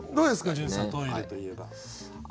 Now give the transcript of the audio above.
潤さんトイレといえば。